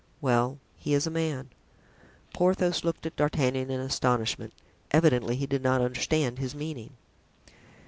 "Well, he is a man." Porthos looked at D'Artagnan in astonishment. Evidently he did not understand his meaning.)